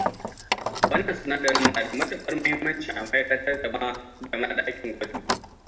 Wannan sinadarin na da matuƙar muhimmanci a ma'aikatar da ma ɗakin gwajin.